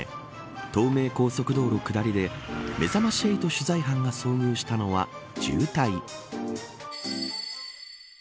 東名高速道路下りでめざまし８取材班が遭遇したのは渋滞。